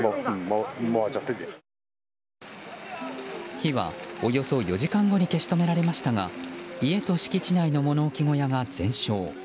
火はおよそ４時間後に消し止められましたが家と敷地内の物置小屋が全焼。